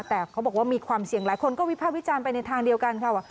แต่เขาบอกว่ามีความเสี่ยงหลายคนก็วิภาควิจารณ์ไปในทางเดียวกันค่ะว่า